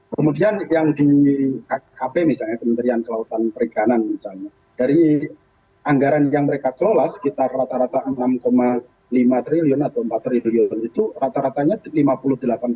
kemudian yang di kkp misalnya kementerian kelautan perikanan misalnya dari anggaran yang mereka kelola sekitar rata rata rp enam lima triliun atau empat triliun itu rata ratanya rp lima puluh delapan triliun